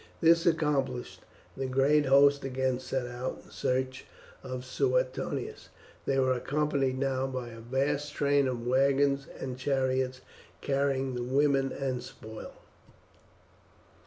This accomplished, the great host again set out in search of Suetonius. They were accompanied now by a vast train of wagons and chariots carrying the women and spoil.